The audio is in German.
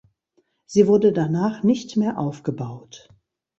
Sie wurde danach nicht mehr aufgebaut.